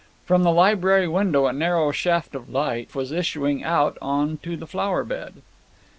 From the library window a narrow shaft of light was issuing out on to the flower bed.